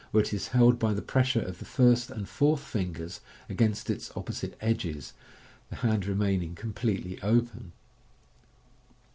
Fig. 72, where it is held by the pressure of the first and fourth fingers against its opposite edges, the band remaining completely open.